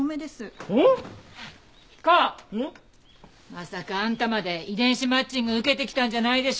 まさかあんたまで遺伝子マッチング受けてきたんじゃないでしょうね？